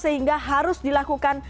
sehingga harus dilakukan